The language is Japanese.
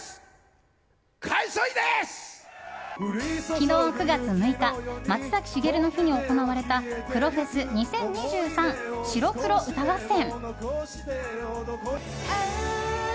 昨日９月６日松崎しげるの日に行われた「黒フェス２０２３白黒歌合戦」。